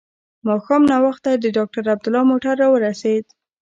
ماښام ناوخته د ډاکټر عبدالله موټر راورسېد.